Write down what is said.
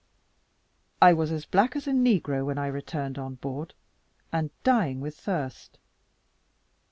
I was as black as a negro when I returned on board, and dying with thirst.